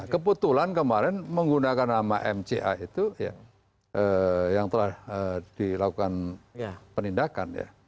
kebetulan kemarin menggunakan nama mca itu ya yang telah dilakukan penindakan ya